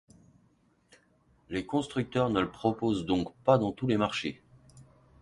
Les constructeurs ne le proposent donc pas dans tous les marchés.